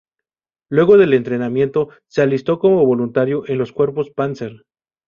Luego del entrenamiento, se alistó como voluntario en los Cuerpos Panzer.